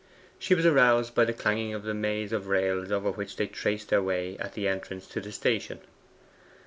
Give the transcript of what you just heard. She was aroused by the clanging of the maze of rails over which they traced their way at the entrance to the station.